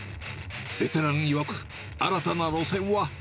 ベテランいわく、新たな路線は。